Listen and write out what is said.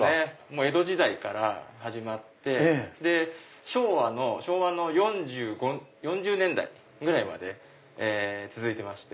江戸時代から始まって昭和の４０年代ぐらいまで続いてまして。